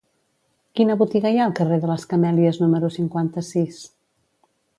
Quina botiga hi ha al carrer de les Camèlies número cinquanta-sis?